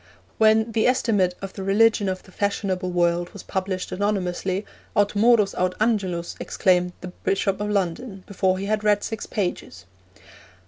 When The Estimate of the Religion of the Fashionable World was published anonymously, 'Aut Morus, aut Angelus,' exclaimed the Bishop of London, before he had read six pages.